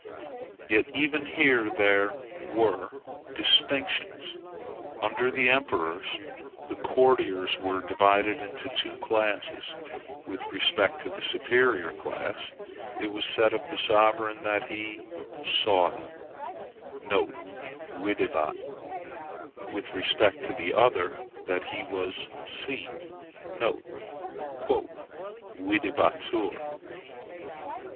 Yet even here there were distinctions. Under the Emperors, the courtiers were divided into two classes: with respect to the superior class, it was said of the sovereign that he saw them, (videbat;) with respect to the other that he was seen, ("videbatur.")